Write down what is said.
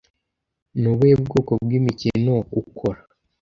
Ni ubuhe bwoko bw'imikino ukora?